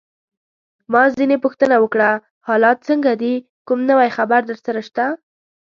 ما ځینې پوښتنه وکړه: حالات څنګه دي؟ کوم نوی خبر درسره شته؟